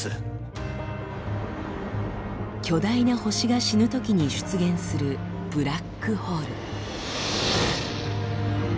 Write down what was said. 巨大な星が死ぬときに出現するブラックホール。